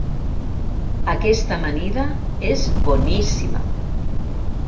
Aquesta amanida és boníssima.